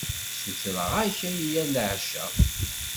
Ssutreɣ-ak aya leɛca.